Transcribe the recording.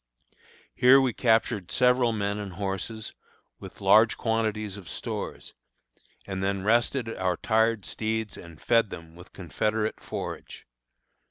Here we captured several men and horses, with large quantities of stores, and then rested our tired steeds and fed them with confederate forage.